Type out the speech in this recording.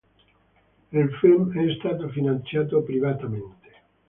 Il film è stato finanziato privatamente.